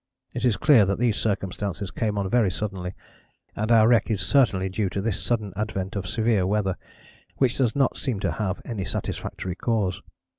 It is clear that these circumstances come on very suddenly, and our wreck is certainly due to this sudden advent of severe weather, which does not seem to have any satisfactory cause.